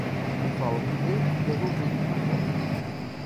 Quem fala o que vê deve ouvir o que não quer.